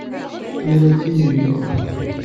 Yura-d sin n yedlisen.